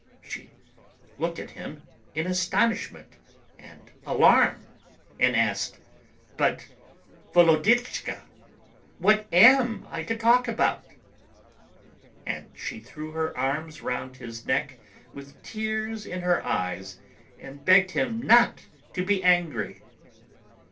She looked at him in astonishment and alarm, and asked: "But, Volodichka, what am I to talk about?" And she threw her arms round his neck, with tears in her eyes, and begged him not to be angry.